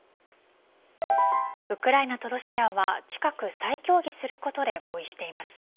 ウクライナとロシアは近く再協議することで合意しています。